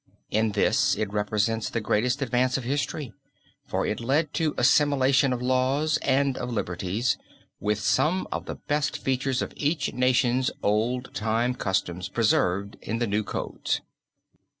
In this it represents the greatest advance of history, for it led to assimilation of laws and of liberties, with some of the best features of each nation's old time customs preserved in the new codes.